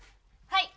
はい。